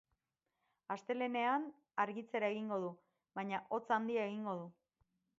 Astelehenean, argitzera egingo du, baina hotz handia egingo du.